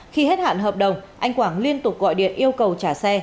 khi hết hạn hợp đồng anh quảng liên tục gọi điện yêu cầu trả xe